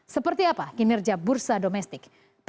seperti apa kinerja bursa domestik